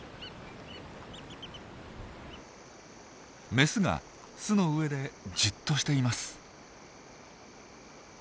メスが巣の上でじっとしています。